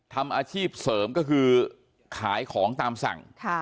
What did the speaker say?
ทำอาชีพเสริมก็คือขายของตามสั่ง